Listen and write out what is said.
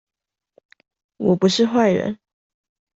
我不是壞人